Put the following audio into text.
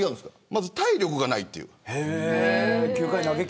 まず体力がないという。